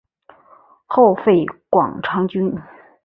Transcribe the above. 后废广长郡。